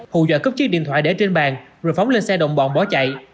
hụ dọa cướp chiếc điện thoại để trên bàn rồi phóng lên xe động bọn bỏ chạy